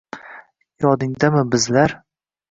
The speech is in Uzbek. Yodingdami, bizlar